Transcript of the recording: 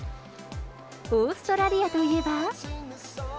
オーストラリアといえば。